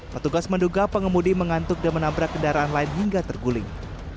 petugas menduga pengemudi mengantuk dan menabrak kendaraan lain hingga terguling